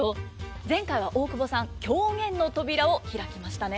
前回は大久保さん狂言の扉を開きましたね。